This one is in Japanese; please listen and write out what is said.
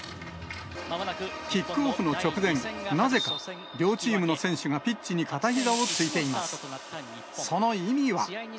キックオフの直前、なぜか、両チームの選手がピッチに片ひざをついています。